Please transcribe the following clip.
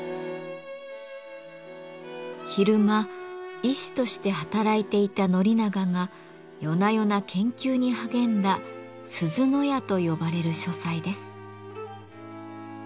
昼間医師として働いていた宣長が夜な夜な研究に励んだ「鈴屋」と呼ばれる書斎です。